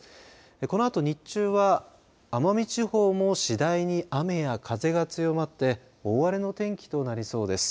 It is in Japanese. このあと、日中は奄美地方も次第に雨や風が強まって大荒れの天気となりそうです。